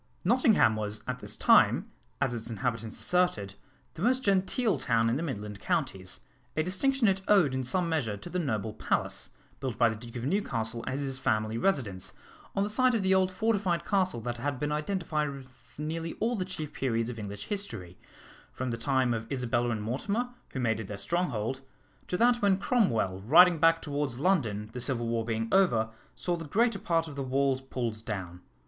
Nottingham was at this time, as its inhabitants asserted, the most genteel town in the midland counties, a distinction it owed in some measure to the noble palace, built by the Duke of Newcastle as his family residence, on the site of the old fortified castle that had been identified with nearly all the chief periods of English history, from the time of Isabella and Mortimer, who made it their stronghold, to that when Cromwell, riding back towards London, the Civil War being over, saw the greater part of the walls pulled down.